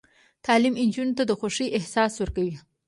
تعلیم نجونو ته د خوښۍ احساس ورکوي.